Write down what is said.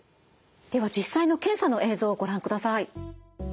では実際の検査の映像をご覧ください。